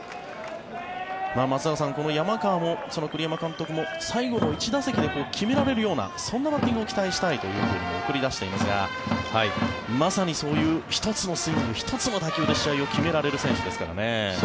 松坂さん、山川も栗山監督も最後の１打席で決められるようなそんなバッティングを期待したいと送り出していますがまさにそういう１つのスイング１つの打球で試合を決められる選手ですからね。